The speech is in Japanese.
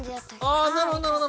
あなるほどなるほど！